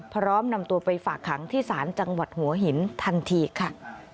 พร้อมนำตัวไปฝากขังที่ศาลจังหวัดหัวหินทันทีค่ะ